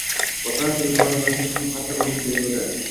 boshqa narsaga e’tiborini qaratish uchun qattiq urinish kerak bo‘ladi.